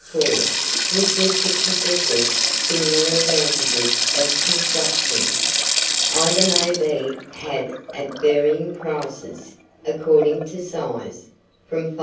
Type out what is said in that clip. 4, with which it possesses similar advantages of construction. Either maybe had at varying prices, according to size, from £5.